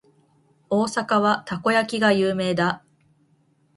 大阪はたこ焼きが有名だ。